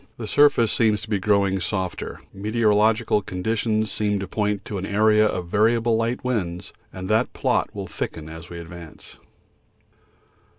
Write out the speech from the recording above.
The surface seems to be growing softer. The meteorological conditions seem to point to an area of variable light winds, and that plot will thicken as we advance.